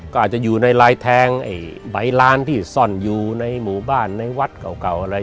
ก็อาจจะอยู่ในลายแทงไอ้ใบลานที่ซ่อนอยู่ในหมู่บ้านในวัดเก่าอะไร